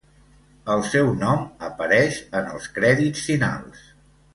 El seu nom apareix en els crèdits finals.